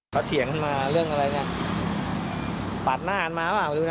เขาเถียงกันมาเรื่องอะไรเนี่ยปาดหน้ากันมาเปล่า